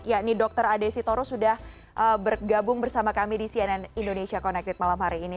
yakni dr ade sitoro sudah bergabung bersama kami di cnn indonesia connected malam hari ini